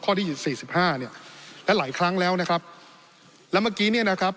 ที่สี่สิบห้าเนี่ยและหลายครั้งแล้วนะครับแล้วเมื่อกี้เนี่ยนะครับ